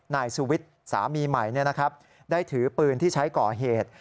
นายสุวิทย์สามีใหม่ได้ถือปืนที่ใช้ก่อเหตุ